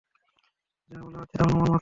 যা বলা হচ্ছে, তা অনুমান মাত্র।